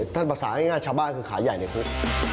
ภาษาง่ายชาวบ้านคือขาใหญ่ในคลึก